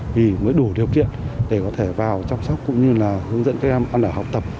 vì mới đủ điều kiện để có thể vào chăm sóc cũng như là hướng dẫn các em ăn ở học tập